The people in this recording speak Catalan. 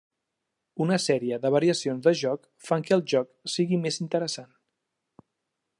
Una sèrie de variacions de joc fan que el joc sigui més interessant.